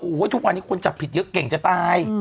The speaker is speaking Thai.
โอ้โฮทุกวันนี้คนจับผิดเก่งจะตาย